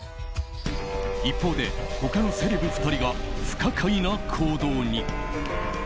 一方で、他のセレブ２人が不可解な行動に。